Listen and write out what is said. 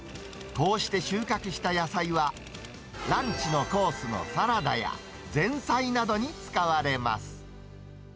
こうして収穫した野菜は、ランチのコースのサラダや、前菜などに使われます。